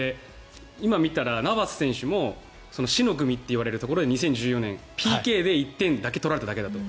今見たらナバス選手も死の組といわれるところで２０１４年にＰＫで１点取られただけだと。